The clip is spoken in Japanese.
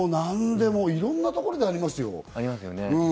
でもいろんなところでありません？